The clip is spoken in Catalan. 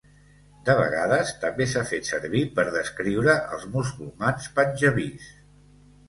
De vegades, també s'ha fet servir per descriure els musulmans panjabis.